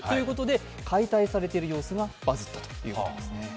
解体されている様子がバズったということですね。